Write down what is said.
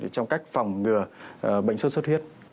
trong cách phòng ngừa bệnh suốt huyết